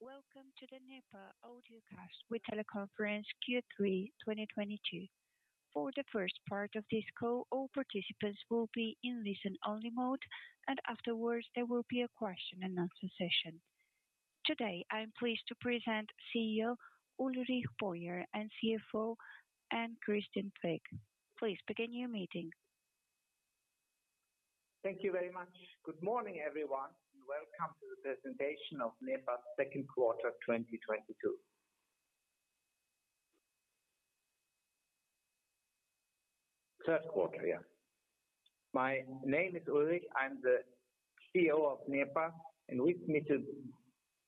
Welcome to the Nepa audiocast with teleconference Q3 2022. For the first part of this call, all participants will be in listen-only mode, and afterwards there will be a question and answer session. Today, I'm pleased to present CEO Ulrich Boyer and CFO Ann-Christine Fick. Please begin your meeting. Thank you very much. Good morning, everyone, and welcome to the presentation of Nepa's second quarter, 2022. Third quarter, yeah. My name is Ulrich. I'm the CEO of Nepa, and with me to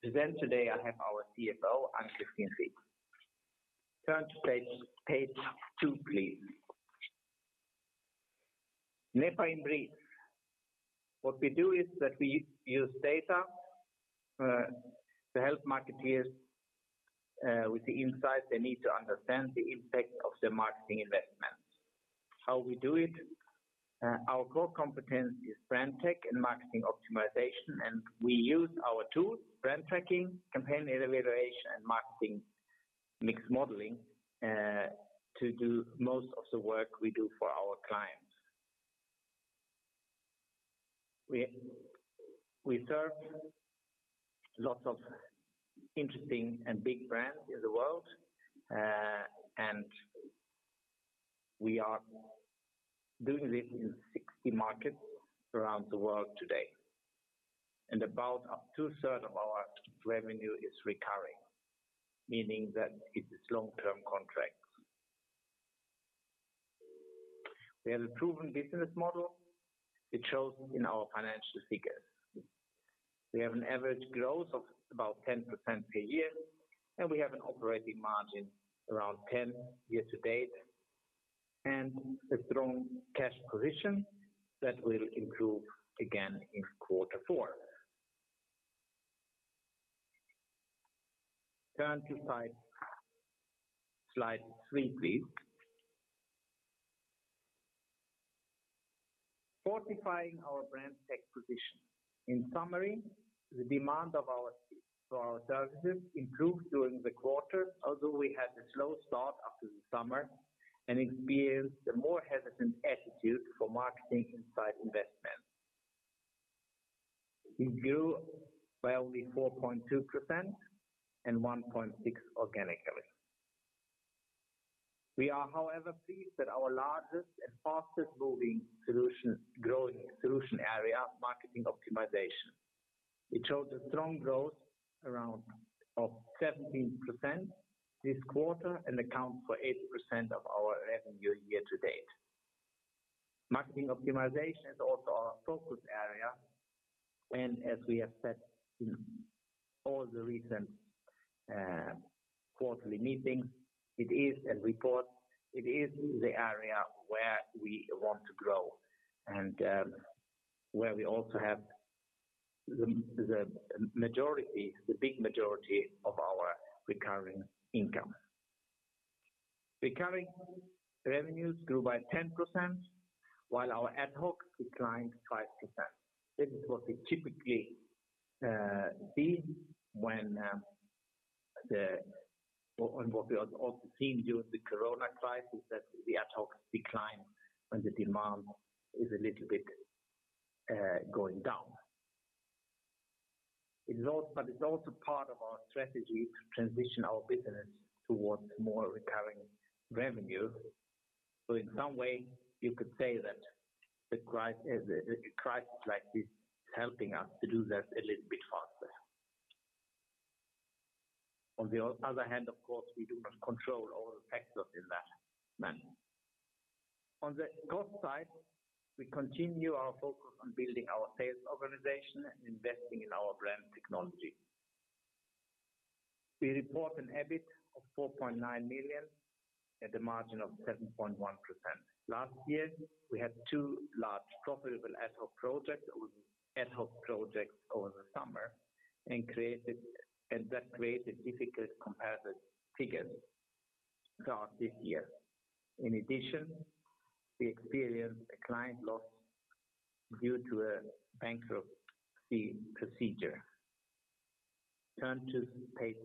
present today, I have our CFO, Ann-Christine Fick. Turn to page two, please. Nepa in brief. What we do is that we use data to help marketeers with the insights they need to understand the impact of their marketing investments. How we do it, our core competence is Brand Tech and marketing optimization, and we use our tools, Brand Tracking, Campaign Evaluation, and Marketing Mix Modeling, to do most of the work we do for our clients. We serve lots of interesting and big brands in the world, and we are doing this in 60 markets around the world today. And about up two-third of our revenue is recurring, meaning that it is long-term contracts. We have a proven business model. It shows in our financial figures. We have an average growth of about ten percent per year, and we have an operating margin around ten year to date, and a strong cash position that will improve again in quarter four. Turn to slide three, please. Fortifying our brand tech position. In summary, the demand of our-- for our services improved during the quarter, although we had a slow start after the summer and experienced a more hesitant attitude for marketing insight investment. We grew by only four point two percent and one point six organically. We are, however, pleased that our largest and fastest-moving solution-- growing solution area, marketing optimization. It showed a strong growth of 17% this quarter and accounts for 80% of our revenue year-to-date. Marketing optimization is also our focus area. As we have said in all the recent quarterly meetings, it is a report. It is the area where we want to grow and where we also have the majority, the big majority of our recurring income. Recurring revenues grew by 10%, while our ad hoc declined 5%. This is what we typically see when what we have also seen during the corona crisis, that the ad hoc decline when the demand is a little bit going down. It's also part of our strategy to transition our business towards more recurring revenue. In some way, you could say that the crisis like this is helping us to do that a little bit faster. On the other hand, of course, we do not control all the factors in that manner. On the cost side, we continue our focus on building our sales organization and investing in our brand technology. We report an EBIT of 4.9 million at a margin of 7.1%. Last year, we had two large profitable ad hoc projects over the summer and that created difficult comparison figures throughout this year. In addition, we experienced a client loss due to a bankruptcy procedure. Turn to page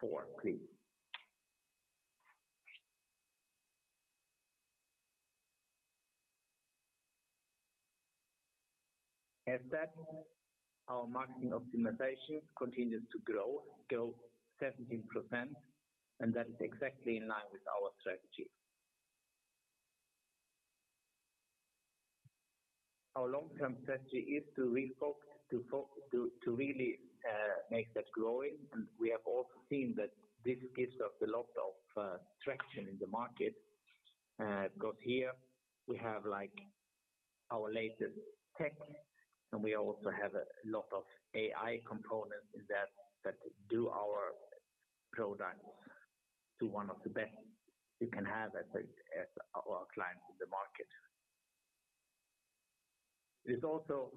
four, please. As said, our marketing optimization continues to grow 17%, and that is exactly in line with our strategy. Our long-term strategy is to really make that growing. We have also seen that this gives us a lot of traction in the market because here we have, like, our latest tech, and we also have a lot of AI components in there that do our products to one of the best you can have as our clients in the market.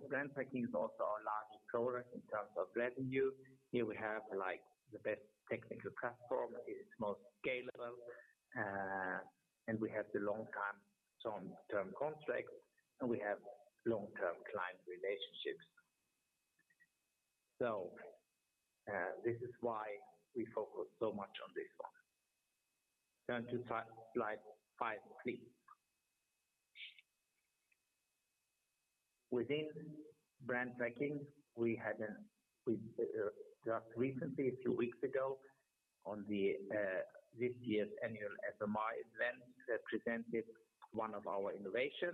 Brand Tracking is also our largest product in terms of revenue. Here we have, like, the best technical platform. It's most scalable, and we have the long-term contracts, and we have long-term client relationships. This is why we focus so much on this one. Turn to slide five, please. Within Brand Tracking, we just recently, a few weeks ago on this year's annual ESOMAR event, presented one of our innovation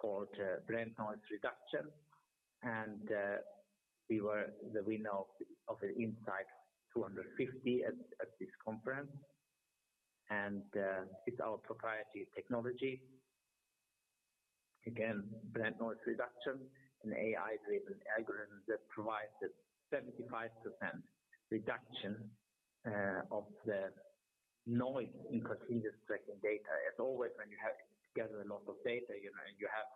called Brand Noise Reduction. We were the winner of the Insight250 at this conference. It's our proprietary technology. Again, Brand Noise Reduction, an AI-driven algorithm that provides a 75% reduction of the noise in continuous tracking data. As always, when you gather a lot of data, you know, you have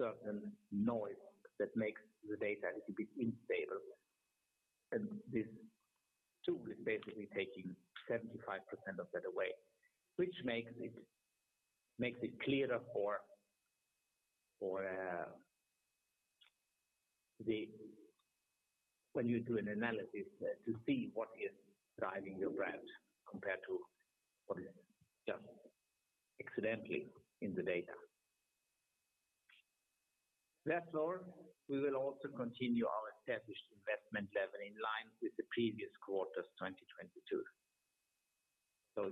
certain noise that makes the data little bit instable. This tool is basically taking 75% of that away, which makes it clearer for when you do an analysis to see what is driving your brand compared to what is just accidentally in the data. Therefore, we will also continue our established investment level in line with the previous quarters 2022.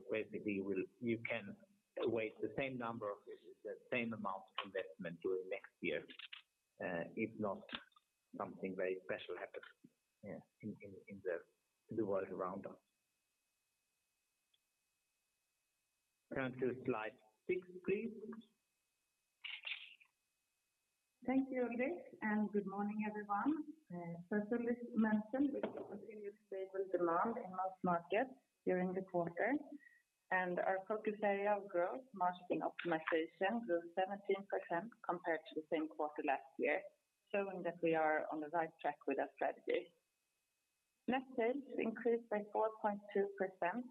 Basically, you can await the same amount of investment during next year if not something very special happens in the world around us. Turn to slide six, please. Thank you, Ulrich, and good morning, everyone. First, Ulrich mentioned we see continued stable demand in most markets during the quarter, and our focus area of growth, marketing optimization, grew 17% compared to the same quarter last year, showing that we are on the right track with our strategy. Net sales increased by 4.2% to 69.5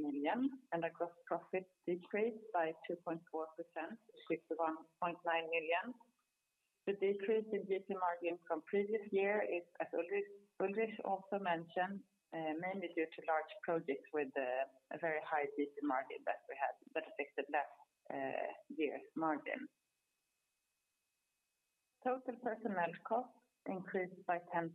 million, and our gross profit decreased by 2.4% to 61.9 million. The decrease in GP margin from previous year is, as Ulrich also mentioned, mainly due to large projects with a very high GP margin that we had that affected last year's margin. Total personnel costs increased by 10%.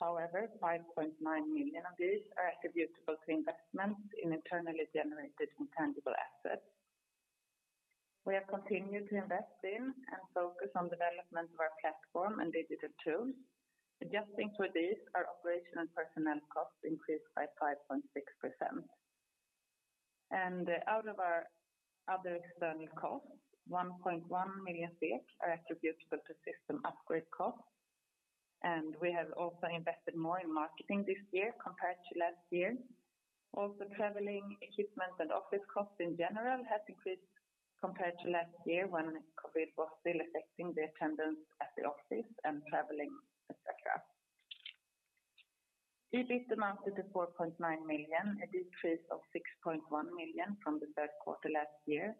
However, 5.9 million of these are attributable to investments in internally generated intangible assets. We have continued to invest in and focus on development of our platform and digital tools. Adjusting for this, our operational personnel costs increased by 5.6%. Out of our other external costs, 1.1 million are attributable to system upgrade costs, and we have also invested more in marketing this year compared to last year. Also, traveling, equipment, and office costs in general have increased compared to last year when COVID was still affecting the attendance at the office and traveling, et cetera. EBIT amounted to 4.9 million, a decrease of 6.1 million from the third quarter last year,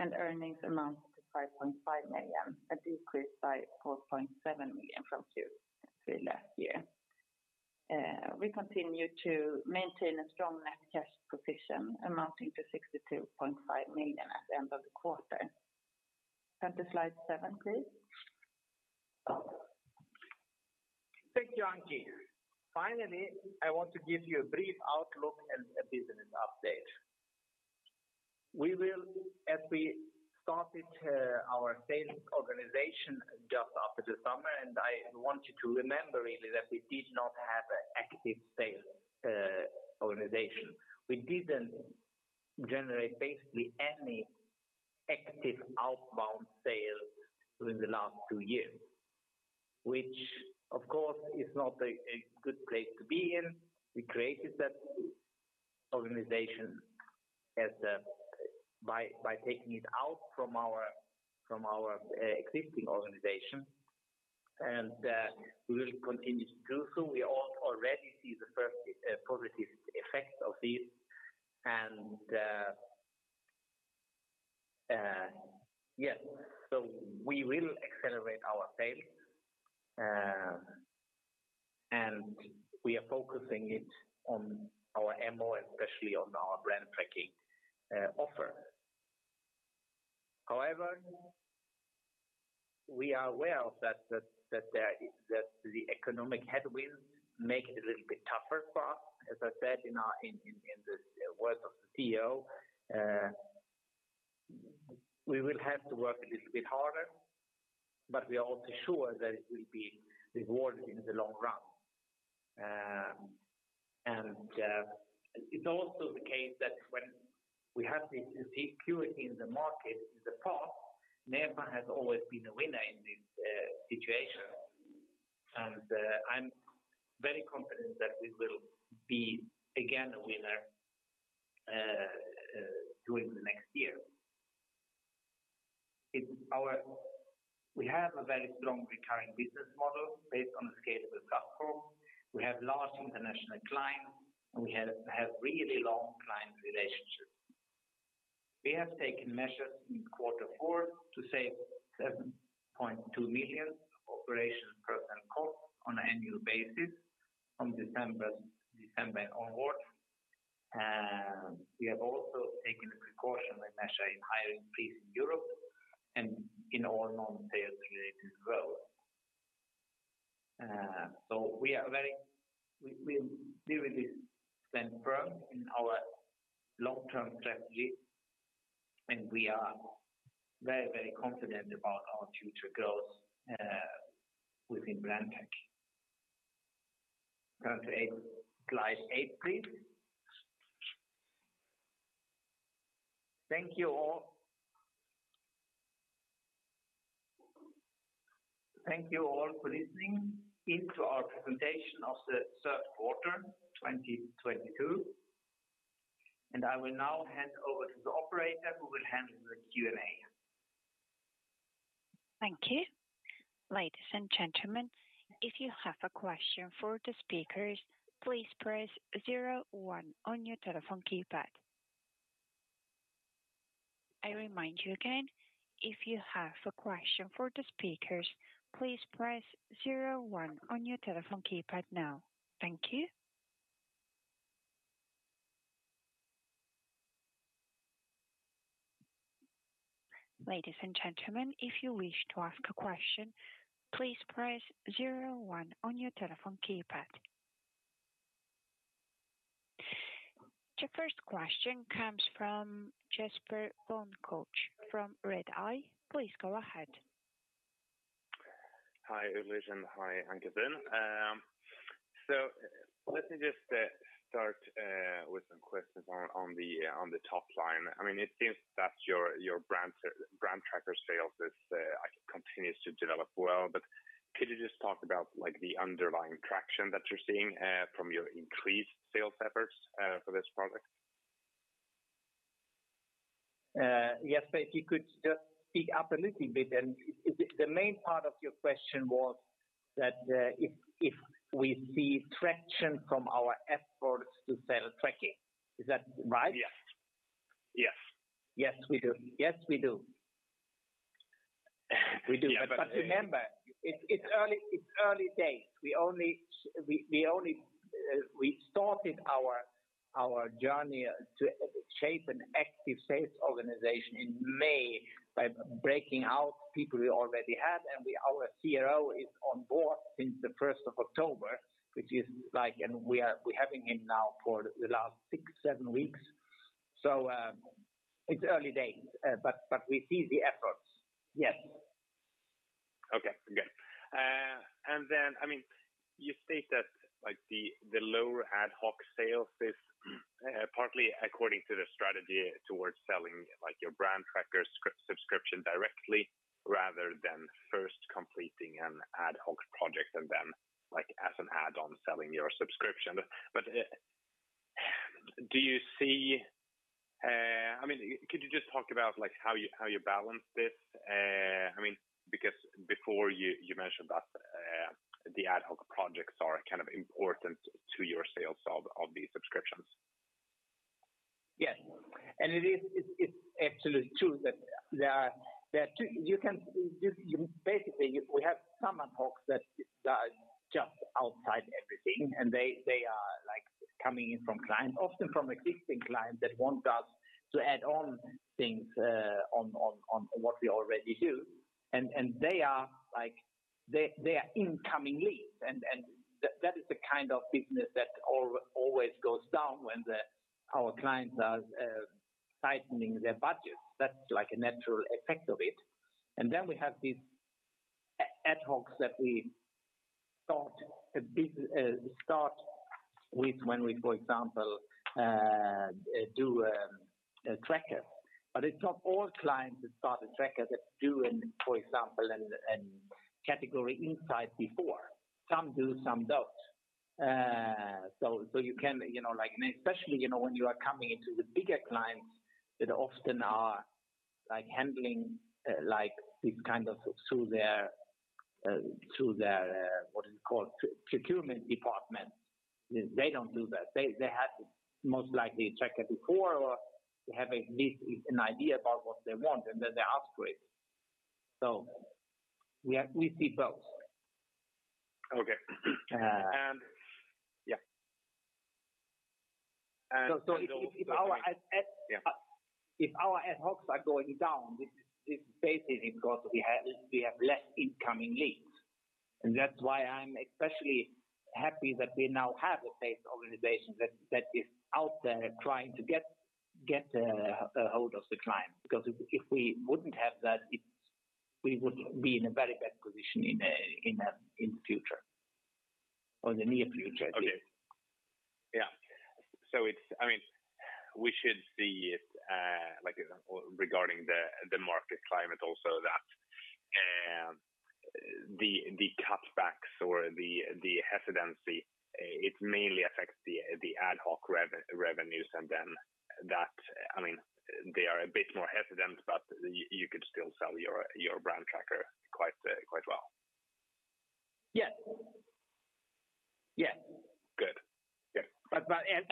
and earnings amounted to 5.5 million, a decrease by 4.7 million from Q3 last year. We continue to maintain a strong net cash position amounting to 62.5 million at the end of the quarter. Turn to slide seven, please. Thank you, Anki. Finally, I want to give you a brief outlook and a business update. As we started our sales organization just after the summer, and I want you to remember really that we did not have an active sales organization. We didn't generate basically any active outbound sales during the last two years, which of course is not a good place to be in. We created that organization by taking it out from our existing organization, and we will continue to do so. We already see the first positive effects of this, and yeah. We will accelerate our sales, and we are focusing it on our M.O., especially on our Brand Tracking offer. However, we are aware that the economic headwinds make it a little bit tougher for us. As I said in this words of the CEO, we will have to work a little bit harder, but we are also sure that it will be rewarded in the long run. It's also the case that when we have this insecurity in the market in the past, Nepa has always been a winner in this situation. I'm very confident that we will be again a winner during the next year. We have a very strong recurring business model based on a scalable platform. We have large international clients, and we have really long client relationships. We have taken measures in quarter four to save 7.2 million of operations personnel cost on an annual basis from December onwards. We have also taken a precautionary measure in hiring freeze in Europe and in all non-sales-related roles. We really stand firm in our long-term strategy, and we are very confident about our future growth within Brand Tech. Turn to eight, slide eight, please. Thank you all. Thank you all for listening into our presentation of the third quarter 2022. I will now hand over to the operator, who will handle the Q&A. Thank you. Ladies and gentlemen, if you have a question for the speakers, please press zero one on your telephone keypad. I remind you again, if you have a question for the speakers, please press zero one on your telephone keypad now. Thank you. Ladies and gentlemen, if you wish to ask a question, please press zero one on your telephone keypad. The first question comes from Jesper von Koch from Redeye. Please go ahead. Hi, Ulrich, and hi, Ann-Christine. Let me just start with some questions on the top line. I mean, it seems that your Brand Tracking sales continues to develop well. Could you just talk about like the underlying traction that you're seeing from your increased sales efforts for this product? Yes. If you could just speak up a little bit, then. The main part of your question was that if we see traction from our efforts to sell tracking. Is that right? Yes. Yes. Yes, we do. Yes, we do. We do. Yeah. Remember, it's early days. We started our journey to shape an active sales organization in May by breaking out people we already had. Our CRO is on board since the first of October. We're having him now for the last six-seven weeks. It's early days, but we see the efforts. Yes. Okay, good. I mean, you state that like the lower ad hoc sales is partly according to the strategy towards selling like your Brand Tracker subscription directly rather than first completing an ad hoc project and then like as an add-on selling your subscription. I mean, could you just talk about like how you balance this? I mean, because before you mentioned that the ad hoc projects are kind of important to your sales of these subscriptions. Yes. It's absolutely true that there are two. Basically, we have some ad hoc that are just outside everything, and they are like coming in from clients, often from existing clients that want us to add on things on what we already do. They are like incoming leads. That is the kind of business that always goes down when our clients are tightening their budgets. That's like a natural effect of it. We have these ad hocs that we start with when we, for example, do a tracker. It's not all clients that start a tracker that do, for example, a category insight before. Some do, some don't. You can, you know, like especially, you know, when you are coming into the bigger clients that often are like handling like these kinds of through their, what is it called? Procurement department. They don't do that. They had most likely a tracker before or they have at least an idea about what they want and then they ask for it. We see both. Okay. Uh. Yeah. If our ad hoc. Yeah. If our ad hocs are going down, which is basically because we have less incoming leads. That's why I'm especially happy that we now have a sales organization that is out there trying to get ahold of the clients. If we wouldn't have that, we would be in a very bad position in the future or the near future. Okay. Yeah. I mean, we should see it like regarding the market climate also. The cutbacks or the hesitancy, it mainly affects the ad hoc revenues. That, I mean, they are a bit more hesitant, but you could still sell your brand tracker quite well. Yes. Yes. Good. Yeah. But, but- Uh-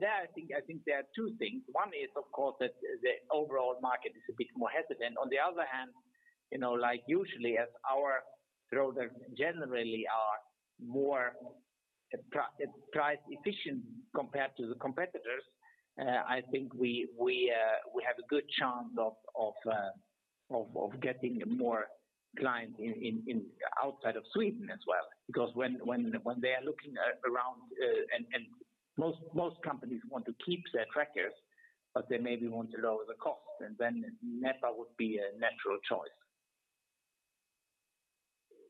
That I think there are two things. One is of course that the overall market is a bit more hesitant. On the other hand, you know, like usually as our products generally are more price efficient compared to the competitors, I think we have a good chance of getting more clients in outside of Sweden as well. Because when they are looking around, most companies want to keep their trackers, but they maybe want to lower the cost and then Nepa would be a natural choice.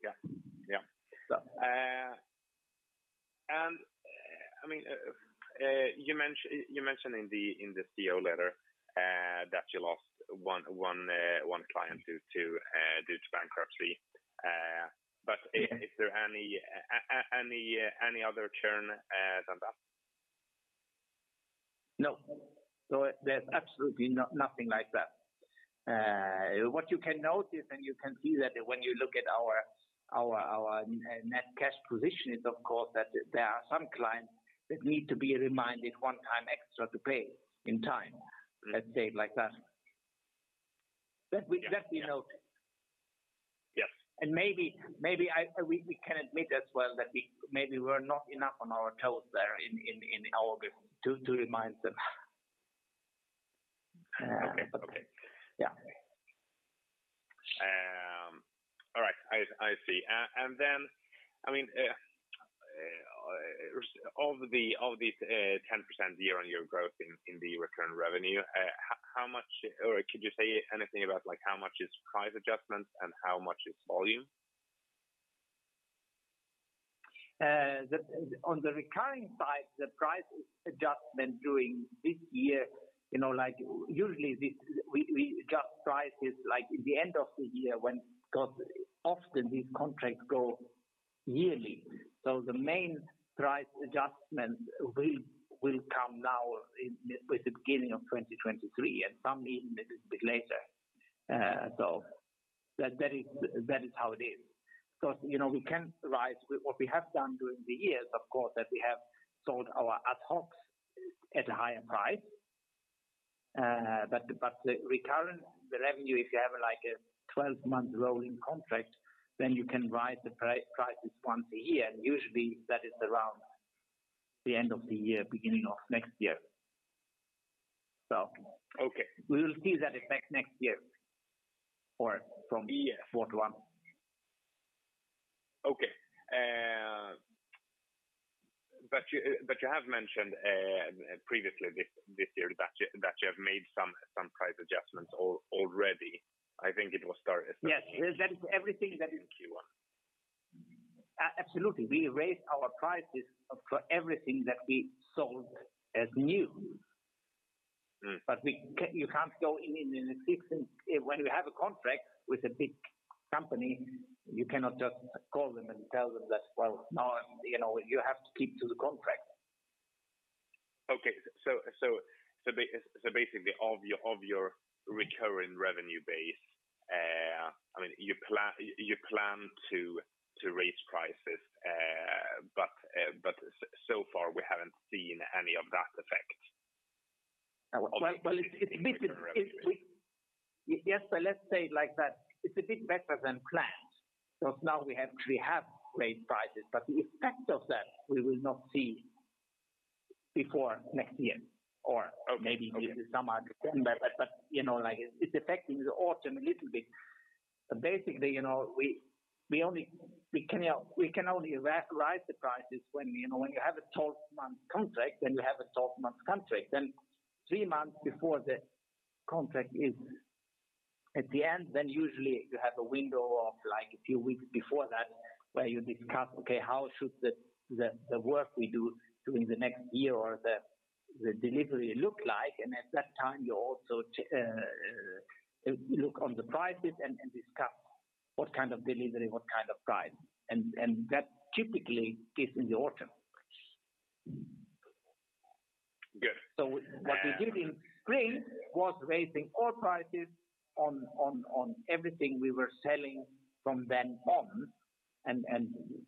Yeah. I mean, you mentioned in the CEO letter that you lost one client due to bankruptcy. Mm-hmm Is there any other churn than that? No, there's absolutely nothing like that. What you can notice and you can see that when you look at our net cash position is of course that there are some clients that need to be reminded one time extra to pay in time. Mm-hmm. Let's say it like that. Yeah. That we notice. Yes. Maybe we can admit as well that we maybe were not enough on our toes there in August to remind them. Okay. Okay. Yeah. All right. I see. I mean, of the 10% year-over-year growth in the recurring revenue, could you say anything about like how much is price adjustments and how much is volume? On the recurring side, the price adjustment during this year, you know, like usually this, we adjust prices like in the end of the year 'cause often these contracts go yearly. The main price adjustment will come now in with the beginning of 2023 and some even a little bit later. That is how it is. 'Cause, you know, we can rise with what we have done during the years, of course, that we have sold our ad hocs at a higher price. The revenue, if you have like a 12-month rolling contract, then you can rise the prices once a year, and usually that is around the end of the year, beginning of next year. Okay We will see that effect next year. Yeah Fourth one. Okay. You have mentioned previously this year that you have made some price adjustments already. I think it was started. Yes. That is everything. Q1. Absolutely. We raised our prices for everything that we sold as new. Mm. When you have a contract with a big company, you cannot just call them and tell them that, well, now, you know, you have to keep to the contract. Okay. Basically all of your recurring revenue base, I mean, you plan to raise prices. So far we haven't seen any of that effect. Well. In the recurring revenue. Yes. Let's say like that it's a bit better than planned. Now we have raised prices, but the effect of that we will not see before next year. Okay. Maybe even somehow December. You know, like it's affecting the autumn a little bit. Basically, you know, we can only rise the prices when, you know, you have a 12-month contract, then you have a 12-month contract. Three months before the contract is at the end, then usually you have a window of like a few weeks before that where you discuss, okay, how should the work we do during the next year or the delivery look like? At that time, you also look on the prices and discuss what kind of delivery, what kind of price, and that typically is in the autumn. Good. What we did in spring was raising all prices on everything we were selling from then on and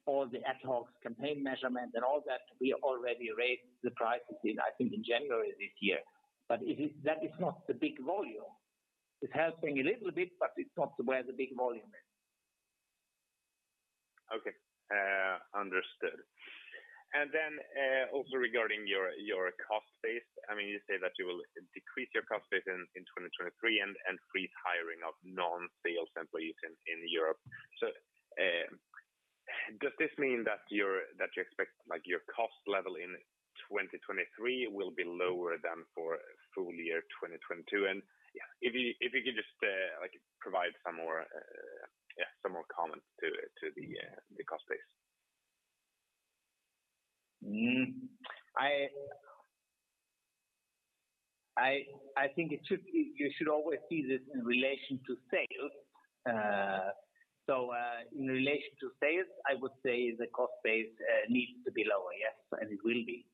all the ad hocs, Campaign Evaluation, and all that. We already raised the prices, I think, in January this year. That is not the big volume. It's helping a little bit, but it's not where the big volume is. Okay. Understood. Also regarding your cost base, I mean, you say that you will decrease your cost base in 2023 and freeze hiring of non-sales employees in Europe. Does this mean that you expect like your cost level in 2023 will be lower than for full year 2022? Yeah If you could just, like provide some more comment to the cost base. Mm-hmm. You should always see this in relation to sales. In relation to sales, I would say the cost base needs to be lower, yes, and it will be.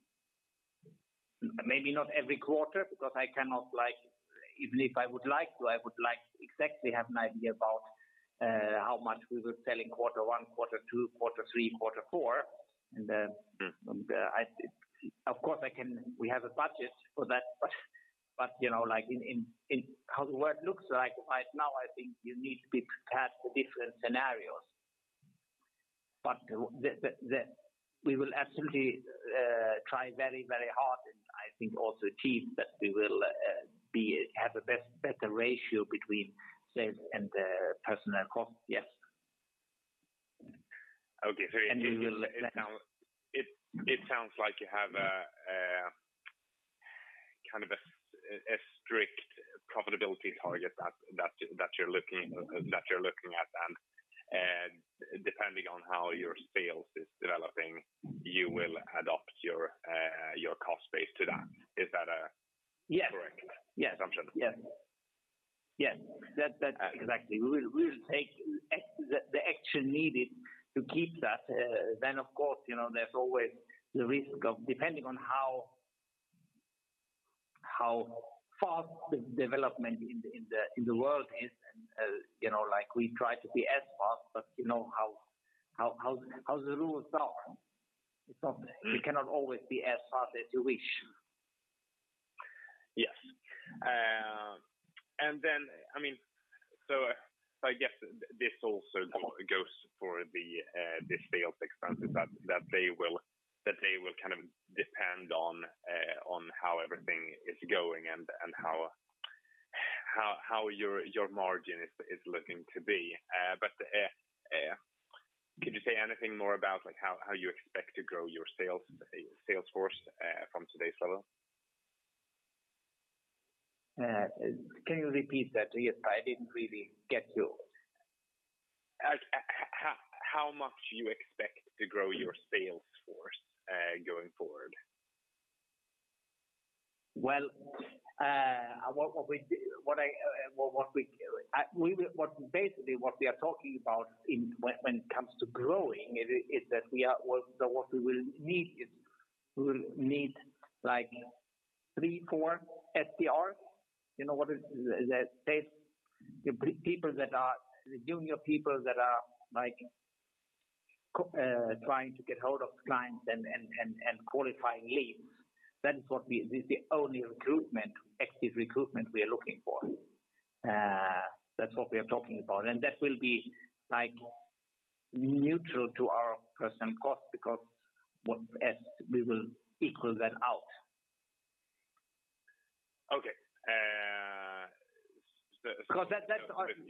Maybe not every quarter because I cannot, like. Even if I would like to, I would like exactly have an idea about how much we would sell in quarter one, quarter two, quarter three, quarter four. Mm-hmm. I think, of course, we have a budget for that. You know, like in how the world looks like right now, I think you need to be prepared for different scenarios. We will absolutely try very, very hard, and I think also achieve that we will have a better ratio between sales and personnel costs, yes. Okay. We will. It sounds like you have a kind of a strict profitability target that you're looking at. Depending on how your sales is developing, you will adapt your cost base to that. Is that? Yes. Correct assumption? Yes. Yes. That, that... Exactly. We will, we will take ac-the, the action needed to keep that. Uh, then, of course, you know, there's always the risk of depending on how fast the development in the, in the, in the world is. And, uh, you know, like, we try to be as fast, but you know how, how the rules are. It's not- Mm-hmm. We cannot always be as fast as you wish. Yes. I mean, I guess this also goes for the sales expenses that they will kind of depend on how everything is going and how your margin is looking to be. Could you say anything more about, like, how you expect to grow your sales force from today's level? Can you repeat that? Yes, I didn't really get you. Like, how much do you expect to grow your sales force going forward? Well, basically what we are talking about when it comes to growing is that what we will need is, like, three, 4 SDRs. You know what is that? That's the people that are, the junior people that are, like, trying to get hold of clients and qualifying leads. This is the only recruitment, active recruitment we are looking for. That's what we are talking about. That will be, like, neutral to our present cost because as we will equal that out. Okay. Because that's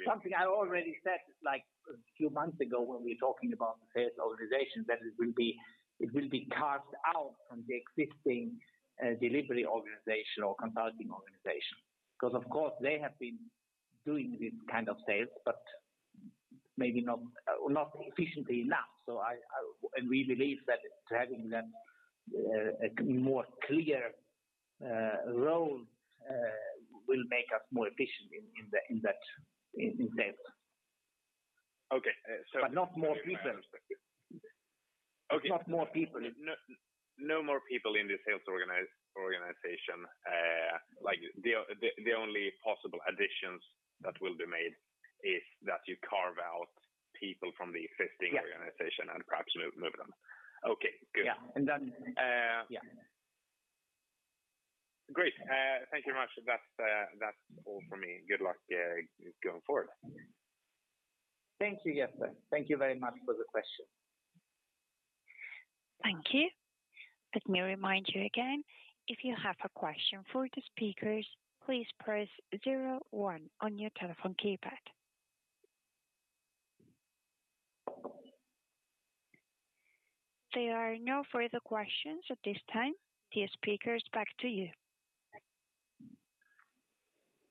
something I already said, like, a few months ago when we were talking about the sales organization, that it will be carved out from the existing delivery organization or consulting organization. Because, of course, they have been doing this kind of sales, but maybe not efficiently enough. We believe that having them a more clear role will make us more efficient in sales. Okay. Not more people. Okay. Not more people. No more people in the sales organization. Like, the only possible additions that will be made is that you carve out people from the existing. Yes. Perhaps move them. Okay, good. Yeah. Uh- Yeah. Great. Thank you much. That's all for me. Good luck going forward. Thank you, Jesper. Thank you very much for the question. Thank you. Let me remind you again, if you have a question for the speakers, please press zero one on your telephone keypad. There are no further questions at this time. Dear speakers, back to you.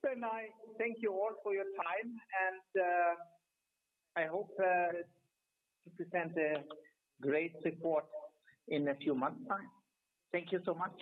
Very nice. Thank you all for your time and I hope to present a great report in a few months time. Thank you so much.